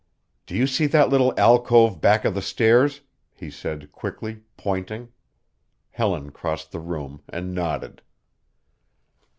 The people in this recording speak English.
"Do you see that little alcove back of the stairs," he said quickly, pointing. Helen crossed the room and nodded.